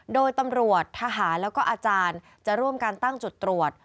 โดยตำรวจทหารแล้วก็อาจารย์จะร่วมกันตั้งจุดตรวจ